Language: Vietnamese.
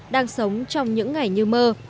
đang sống trong những ngày như mơ